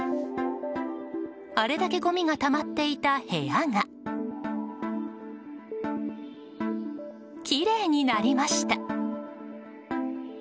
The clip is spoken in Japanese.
あれだけごみがたまっていた部屋がきれいになりました！